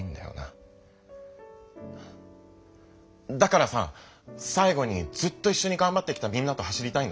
だからさ最後にずっといっしょにがんばってきたみんなと走りたいんだ！